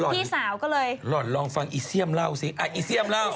พี่สาวก็เลยหล่อนลองฟังอีเซียมเล่าสิอีเซียมเล่า